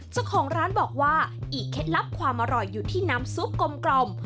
เจ้าของร้านบอกว่าอีกเคล็ดลับความอร่อยอยู่ที่น้ำซุปกลม